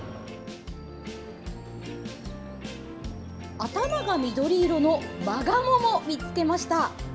頭が緑色のマガモも見つけました。